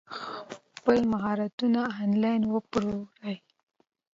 خپل مهارتونه انلاین وپلورئ.